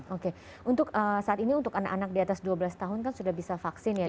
oke untuk saat ini untuk anak anak di atas dua belas tahun kan sudah bisa vaksin ya dok